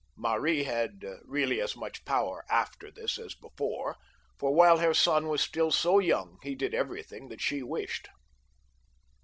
Mary had really as much power after this as before, for while her son was still so young, he did everything that she wished.